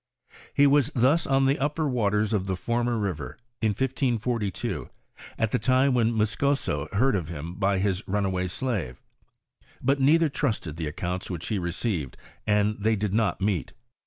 He was thus on the upper waters of the former river, in 1542, at the time when Muscoso heard of him by his run away slave ; but neither trusted the accounts which he re ceived and they did not meet.